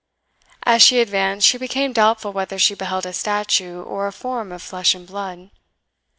As she advanced, she became doubtful whether she beheld a statue, or a form of flesh and blood.